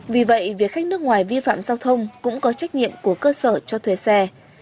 vì vậy việc khách nước ngoài vi phạm giao thông cũng có trách nhiệm của cơ sở cho thuê xe